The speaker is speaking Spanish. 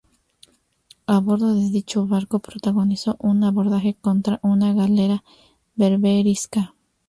A bordo de dicho barco protagonizó un abordaje contra una galera berberisca.